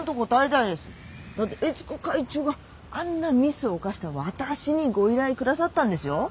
だって悦子会長があんなミスを犯した私にご依頼くださったんですよ。